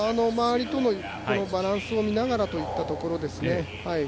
もう、周りとのバランスを見ながらといったところですね。